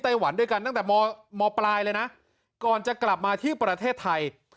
หวันด้วยกันตั้งแต่มปลายเลยนะก่อนจะกลับมาที่ประเทศไทย